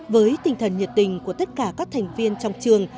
với tinh thần nhiệt tình của tất cả các thành viên trong trường